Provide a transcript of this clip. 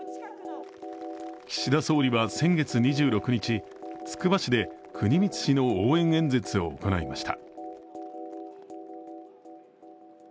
岸田総理は先月２６日つくば市で国光氏の応援演説を行いました。